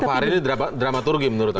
apa hari ini dramaturgi menurut kami